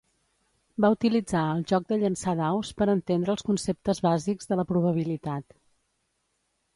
Va utilitzar el joc de llançar daus per entendre els conceptes bàsics de la probabilitat.